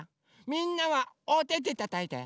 みんなはおててたたいて。